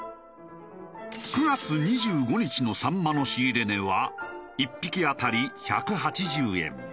９月２５日のサンマの仕入れ値は１匹当たり１８０円。